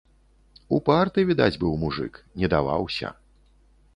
Упарты, відаць, быў мужык, не даваўся.